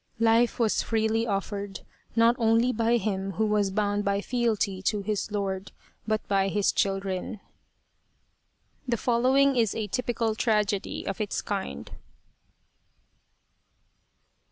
" Life was freely offered, not only by him who was bound by fealty to his lord, but by his children." The following is a typical tragedy of its kind.